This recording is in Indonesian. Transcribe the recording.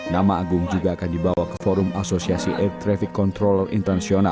nama agung juga akan dibawa ke forum asosiasi air traffic control internasional